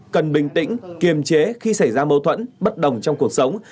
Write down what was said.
cần bình tĩnh kiềm chế khi xảy ra mâu thuẫn bất đồng trong cuộc sống